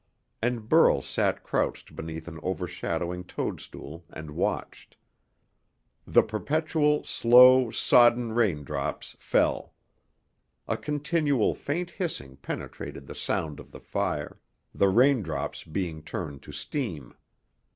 And Burl sat crouched beneath an overshadowing toadstool and watched. The perpetual, slow, sodden raindrops fell. A continual faint hissing penetrated the sound of the fire the raindrops being turned to steam.